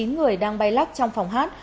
chín người đang bay lắp trong phòng hát